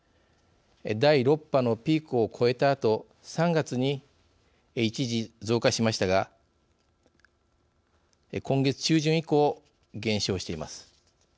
第６波のピークを越えたあと３月に一時、増加しましたが今月中旬以降、減少しています。